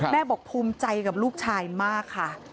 แม่บอกภูมิใจกับลูกชายมากค่ะ